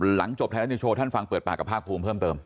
หลังจบท้ายแล้วที่โชว์ท่านฟังเปิดปากกับภาคภูมิเพิ่มเติม